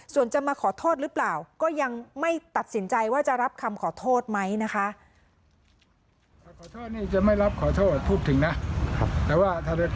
ส่วนจะมาขอโทษหรือเปล่าก็ยังไม่ตัดสินใจว่าจะรับคำขอโทษไหมนะคะ